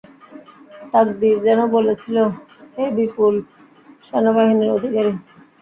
তাকদীর যেন বলছিল, হে বিপুল সেনাবাহিনীর অধিকারী।